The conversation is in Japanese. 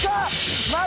まだ⁉